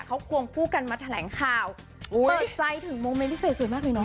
เขาควงคู่กันมาแถลงข่าวเปิดใจถึงโมเมนต์พิเศษสวยมากเลยเนาะ